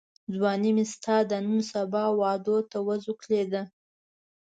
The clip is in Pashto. ځواني مي ستا د نن سبا وعدو ته وزوکلېده